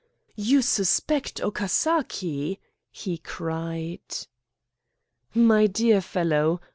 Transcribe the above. "You suspect Okasaki!" he cried. "My dear fellow!